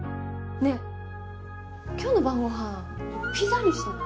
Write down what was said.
ねえ今日の晩ごはんピザにしない？